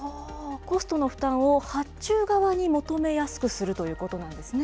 コストの負担を発注側に求めやすくするということなんですね。